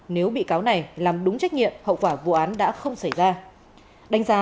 nếu bị cáo này làm đúng trách nhiệm hậu quả vụ án đã không xảy ra